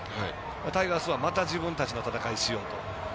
タイガースはまた自分たちの戦いをしようと。